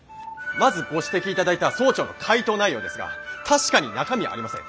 まずご指摘いただいた総長の回答内容ですが確かに中身はありません。